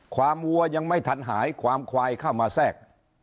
วัวยังไม่ทันหายความควายเข้ามาแทรก